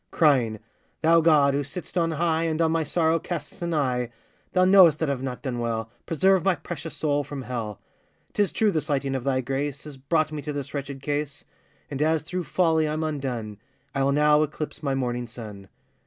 Crying, 'Thou, God, who sitt'st on high, And on my sorrow casts an eye; Thou knowest that I've not done well,— Preserve my precious soul from hell. ''Tis true the slighting of thy grace, Has brought me to this wretched case; And as through folly I'm undone, I'll now eclipse my morning sun.